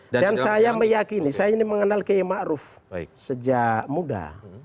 dan saya meyakini saya ini mengenal qm a'ruf sejak muda